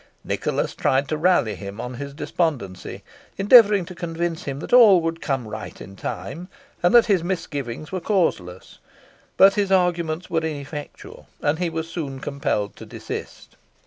Nicholas tried to rally him on his despondency, endeavouring to convince him all would come right in time, and that his misgivings were causeless; but his arguments were ineffectual, and he was soon compelled to desist.